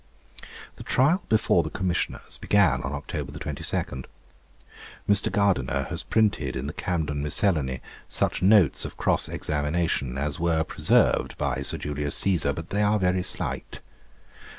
The trial before the Commissioners began on October 22. Mr. Gardiner has printed in the Camden Miscellany such notes of cross examination as were preserved by Sir Julius Cæsar, but they are very slight.